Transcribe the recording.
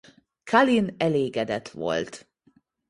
Khalin elégedett volt.